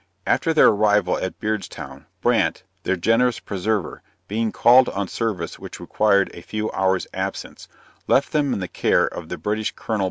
After their arrival at Beard's Town, Brandt, their generous preserver, being called on service which required a few hours absence, left them in the care of the British Col.